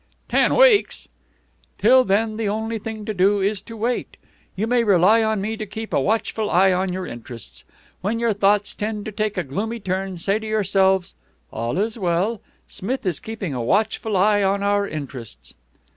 "Ten weeks!" "Till then, the only thing to do is to wait. You may rely on me to keep a watchful eye on your interests. When your thoughts tend to take a gloomy turn say to yourselves, 'All is well. Smith is keeping a watchful eye on our interests.'"